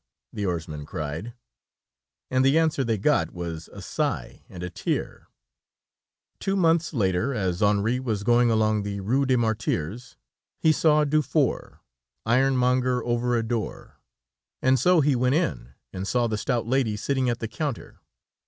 the oarsman cried, and the answer they got was a sigh and a tear. Two months later, as Henri was going along the Rue des Martyrs, he saw Dufour, Ironmonger over a door, and so he went in, and saw the stout lady sitting at the counter.